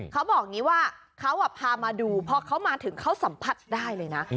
เขาบอกอย่างนี้ว่าเขาพามาดูพอเขามาถึงเขาสัมผัสได้เลยนะ